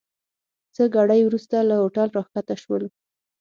څه ګړی وروسته له هوټل راکښته سولو.